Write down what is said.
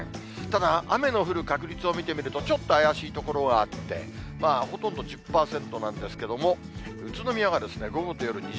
ただ、雨の降る確率を見てみると、ちょっと怪しい所があって、ほとんど１０％なんですけども、宇都宮が午後と夜２０％。